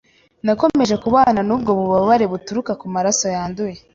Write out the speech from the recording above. Nakomeje kubana n’ubwo bubabare buturuka ku maraso yanduye